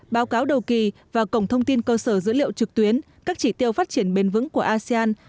báo cáo đầu kỳ và cổng thông tin cơ sở dữ liệu trực tuyến các chỉ tiêu phát triển bền vững của asean